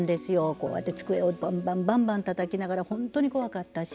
こうやって机をバンバンたたきながら本当に怖かったし。